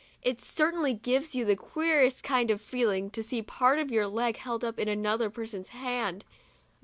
It certainly gives you the queerest kind of feeling to see part of your leg held up in another person's hand.